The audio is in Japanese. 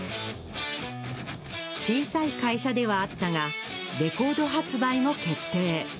小さい会社ではあったがレコード発売も決定